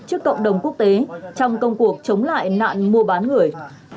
trước cộng đồng quốc tế trong công cuộc chống lại nạn mua bán người